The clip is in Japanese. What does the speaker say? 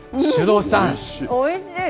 おいしい。